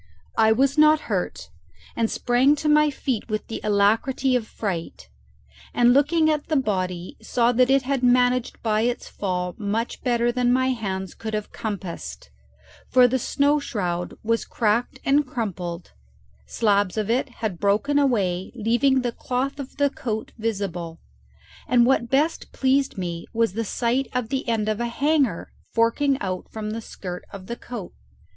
I was not hurt, and sprang to my feet with the alacrity of fright, and looking at the body saw that it had managed by its fall much better than my hands could have compassed; for the snow shroud was cracked and crumpled, slabs of it had broken away leaving the cloth of the coat visible, and what best pleased me was the sight of the end of a hanger forking out from the skirt of the coat.